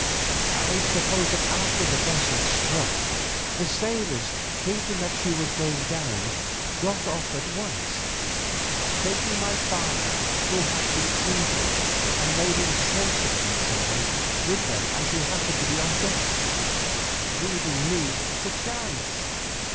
I suppose that after the vessel struck, the sailors, thinking that she was going down, got off at once, taking my father, who had been injured and made insensible in some way, with them as he happened to be on deck, leaving me to my chance.